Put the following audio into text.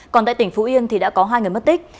còn tại tỉnh phú yên thì đã có hai người mất tích